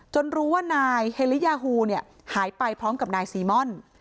รู้ว่านายเฮลียาฮูเนี่ยหายไปพร้อมกับนายซีม่อน